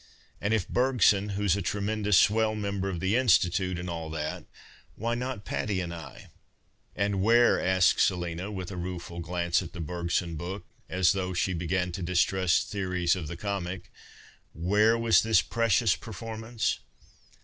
And if Hcrgson, who's a tremendous swell, member of the institute, and all that, wiiy not Patty and I ?"" And where," asked Seliiui, with a rueful glance 2ia PASTICHE AND PREJUDICE at the Berpson book, as thoufrh she began to distrust theories of the comic, " where was this jirecious per formance